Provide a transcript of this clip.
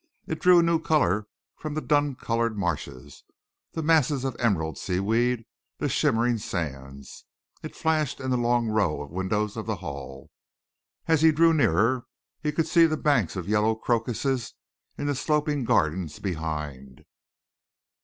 It drew a new colour from the dun coloured marshes, the masses of emerald seaweed, the shimmering sands. It flashed in the long row of windows of the Hall. As he drew nearer, he could see the banks of yellow crocuses in the sloping gardens behind.